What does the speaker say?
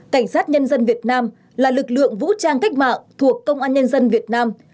cảnh sát nhân dân việt nam là lực lượng vũ trang cách mạng thuộc công an nhân dân việt nam